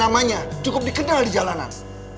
dan namanya cukup dikenal di jalanan